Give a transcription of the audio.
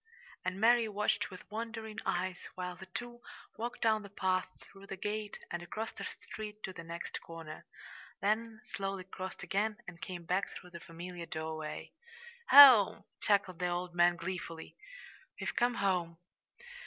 And Mary watched with wondering eyes while the two walked down the path, through the gate and across the street to the next corner, then slowly crossed again and came back through the familiar doorway. "Home!" chuckled the old man gleefully. "We've come home!"